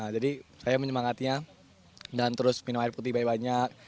jadi saya menyemangatinya dan terus minum air putih banyak banyak